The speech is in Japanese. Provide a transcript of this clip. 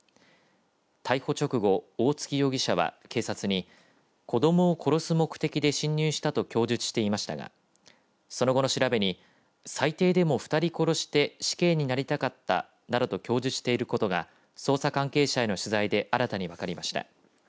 逮捕直後、大槻容疑者は警察に子どもを殺す目的で侵入したと供述していましたがその後の調べに最低でも２人殺して死刑になりたかったなどと供述していることが捜査関係者への取材で新たに分かりました。